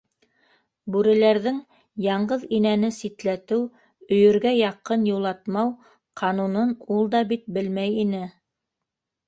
Бүреләрҙең яңғыҙ инәне ситләтеү, өйөргә яҡын юлатмау ҡанунын ул да бит белмәй ине!